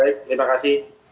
baik terima kasih